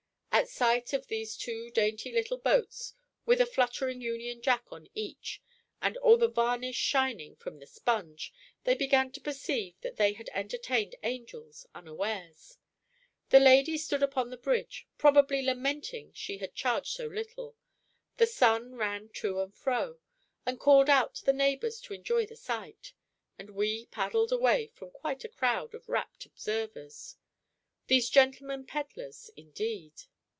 At sight of these two dainty little boats, with a fluttering Union Jack on each, and all the varnish shining from the sponge, they began to perceive that they had entertained angels unawares. The landlady stood upon the bridge, probably lamenting she had charged so little; the son ran to and fro, and called out the neighbours to enjoy the sight; and we paddled away from quite a crowd of wrapt observers. These gentlemen pedlars, indeed!